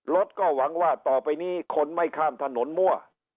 รถก็หวังว่าต่อไปนี้คนไม่ข้ามถนนมั่ว